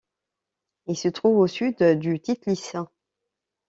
Il se trouve au sud du Titlis.